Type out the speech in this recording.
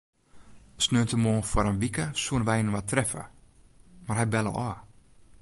Sneontemoarn foar in wike soene wy inoar treffe, mar hy belle ôf.